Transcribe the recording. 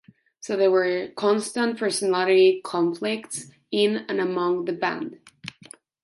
So there were constant personality conflicts in and among the band.